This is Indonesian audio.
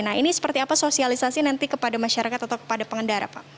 nah ini seperti apa sosialisasi nanti kepada masyarakat atau kepada pengendara pak